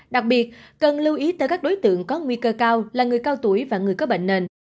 đặc biệt cần lưu ý tới các đối tượng có nguy cơ cao là người cao tuổi và người có bệnh nền